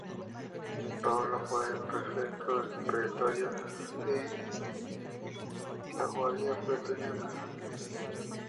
Paulo fue el Prefecto del pretorio de la Guardia Pretoriana.